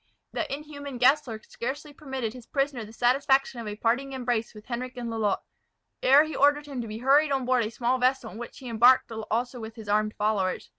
The inhuman Gessler scarcely permitted his prisoner the satisfaction of a parting embrace with Henric and Lalotte, ere he ordered him to be hurried on board a small vessel in which he embarked also with his armed followers.